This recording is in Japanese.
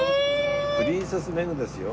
プリンセス・メグですよ。